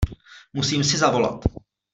Musím si zavolat.